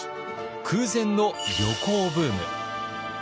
空前の旅行ブーム。